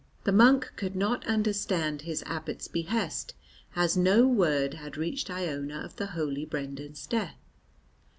The monk could not understand his abbot's behest as no word had reached Iona of the holy Brendan's death.